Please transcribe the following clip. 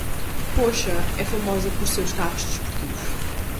Porsche é famosa por seus carros esportivos.